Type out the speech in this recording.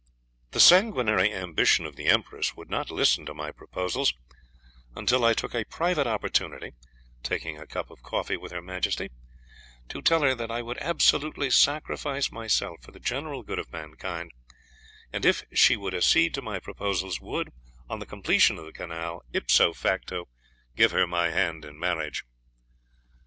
The sanguinary ambition of the Empress would not listen to my proposals, until I took a private opportunity, taking a cup of coffee with her Majesty, to tell her that I would absolutely sacrifice myself for the general good of mankind, and if she would accede to my proposals, would, on the completion of the canal, ipso facto, give her my hand in marriage!